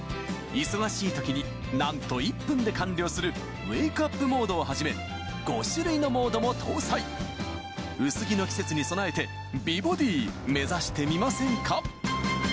忙しい時になんと１分で完了するウェイクアップモードをはじめ５種類のモードも搭載薄着の季節に備えて美ボディー目指してみませんか？